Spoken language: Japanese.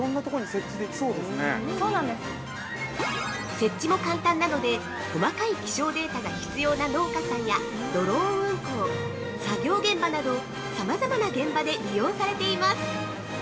◆設置も簡単なので細かい気象データが必要な農家さんやドローン運航、作業現場などさまざまな現場で利用されています。